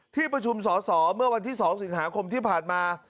ที่ประชุมสอสอเมื่อวันที่๒สิงหาคมที่ผ่านมา